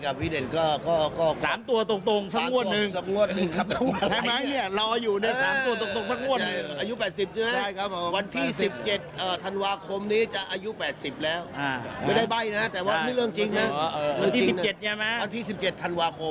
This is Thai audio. คนที่เสียงหัวล้อมีเสน่ห์ก็พี่เดริ้ออีกคนเสียดาย